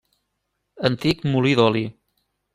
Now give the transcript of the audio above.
Antic molí d'oli.